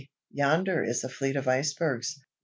yonder is a fleet of icebergs.